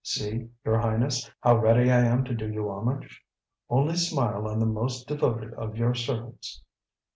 "See, your Highness, how ready I am to do you homage! Only smile on the most devoted of your servants."